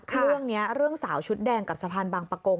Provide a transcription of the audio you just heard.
เรื่องนี้เรื่องสาวชุดแดงกับสะพานบางปะโกง